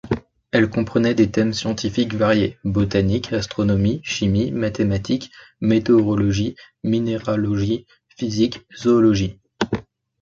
Elle comprenait des thèmes scientifiques variés: botaniques, astronomie, chimie, mathématiques, météorologie, minéralogie, physique, zoologie.